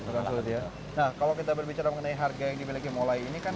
nah kalau kita berbicara mengenai harga yang dimiliki molai ini kan